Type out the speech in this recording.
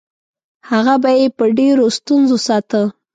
هغه به یې په ډېرو ستونزو ساته.